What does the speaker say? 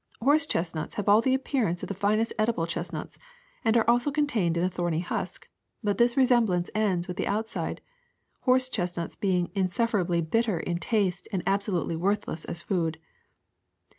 Horse chestnuts have all the appearance of the finest edible chest nuts, and are also contained in a thorny husk; but this resemblance ends with the outside, horse chest nuts being insufferably bitter in taste and abso lutely worthless as food.